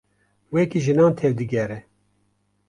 Wekî jinan tev digere.